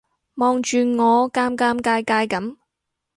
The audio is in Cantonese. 望住我尷尷尬尬噉